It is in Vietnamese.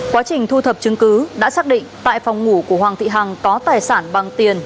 quá trình thu thập chứng cứ đã xác định tại phòng ngủ của hoàng thị hằng có tài sản bằng tiền